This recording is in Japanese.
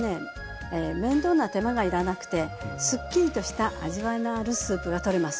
面倒な手間がいらなくてすっきりとした味わいのあるスープがとれます。